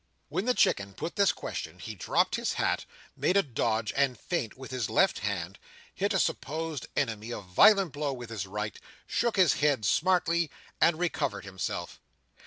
When the Chicken put this question he dropped his hat, made a dodge and a feint with his left hand, hit a supposed enemy a violent blow with his right, shook his head smartly, and recovered himself.